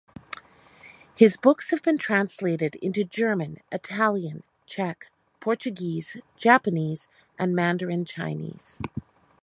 His books have been translated into German, Italian, Czech, Portuguese, Japanese and Mandarin Chinese.